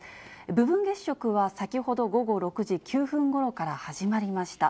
部分月食は、先ほど午後６時９分ごろから始まりました。